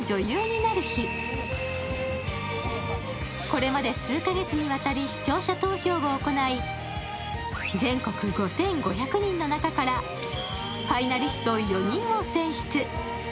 これまで数カ月にわたり視聴者投票を行い、全国５５００人の中からファイナリスト４人を選出。